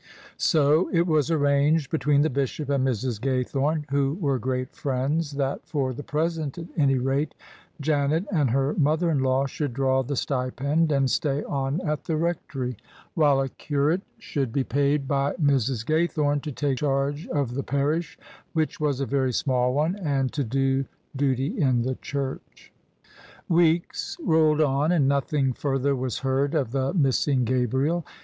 So it was arranged between the Bishop and Mrs. Gaythome, who were great friends, that — for the present at any rate — ^Janet and her mother in law should draw the stipend and stay on at the rectory: while a curate should THE SUBJECTION be paid by Mrs. Gaythome to take charge of the parish, which was a very small one, and to do duty in the church. Weeks rolled on, and nothing further was heard of the missing Gabriel.